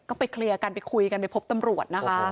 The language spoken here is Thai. ก็ไปเคลียร์กันไปคุยกันไปพบตำรวจนะคะ